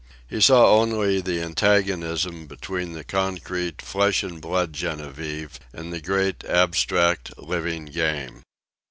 He saw only the antagonism between the concrete, flesh and blood Genevieve and the great, abstract, living Game.